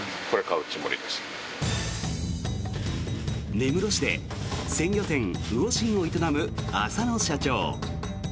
根室市で鮮魚店魚信を営む浅野社長。